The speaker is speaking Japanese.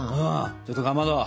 ちょっとかまど！